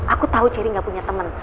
aku tahu cherry gak punya teman